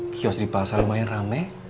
kios di pasar lumayan rame